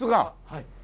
はい。